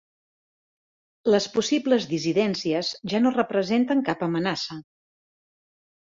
Les possibles dissidències ja no representen cap amenaça.